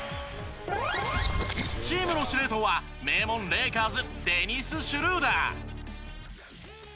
チームの司令塔は名門レイカーズデニス・シュルーダー。